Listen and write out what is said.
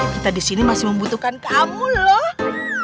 kita di sini masih membutuhkan kamu loh